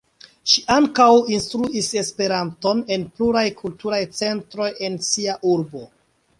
Ŝi ankaŭ instruis esperanton en pluraj kulturaj centroj en sia urbo.